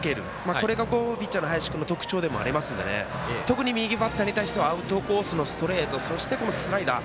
これがピッチャーの林君の特徴でもありますので特に右バッターに対してはアウトコースのストレート、そしてスライダー。